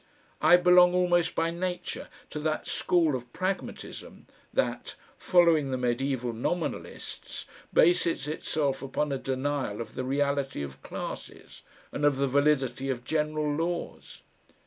I belong almost by nature to that school of Pragmatism that, following the medieval Nominalists, bases itself upon a denial of the reality of classes, and of the validity of general laws.